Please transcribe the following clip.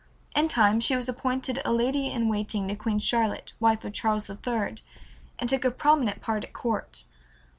In time she was appointed a Lady in Waiting to Queen Charlotte, wife of George III, and took a prominent part at court.